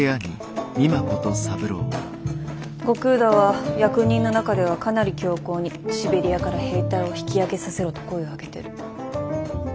後工田は役人の中ではかなり強硬にシベリアから兵隊を引き揚げさせろと声を上げてる。